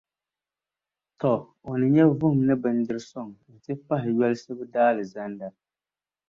Tɔ! O ni nya vuhim ni bindirisuŋ, n-ti pahi yolsibu Daalizanda.